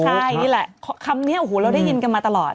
ใช่นี่แหละคำนี้โอ้โหเราได้ยินกันมาตลอด